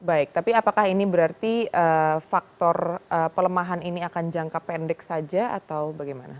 baik tapi apakah ini berarti faktor pelemahan ini akan jangka pendek saja atau bagaimana